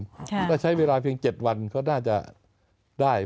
คือถ้าใช้เวลาเพียงเจ็ดวันเขาน่าจะได้